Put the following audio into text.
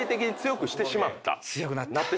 強くなった。